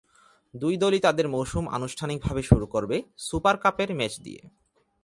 দুই দলই তাদের মৌসুম আনুষ্ঠানিকভাবে শুরু করবে সুপার কাপের ম্যাচ দিয়ে।